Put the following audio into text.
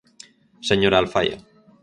Señora Alfaia.